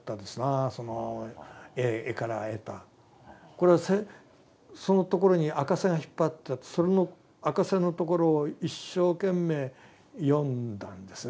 これはそのところに赤線が引っ張ってあってそれの赤線のところを一生懸命読んだんですね